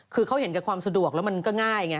คือเขาเห็นกับความสะดวกแล้วมันก็ง่ายไง